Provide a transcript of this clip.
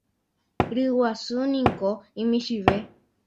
Ryguasúniko imichĩve.